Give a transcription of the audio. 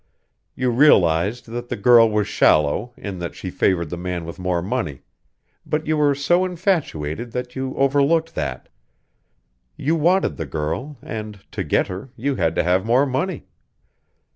You realized that the girl was shallow in that she favored the man with more money, but you were so infatuated that you overlooked that. You wanted the girl and, to get her, you had to have more money.